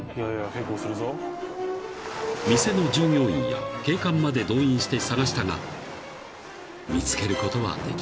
［店の従業員や警官まで動員して捜したが見つけることはできなかった］